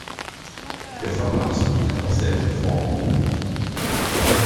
Der Verband bietet auch selbst Fortbildungen an.